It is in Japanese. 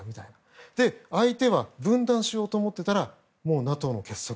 相手は分断しようと思っていたらＮＡＴＯの結束。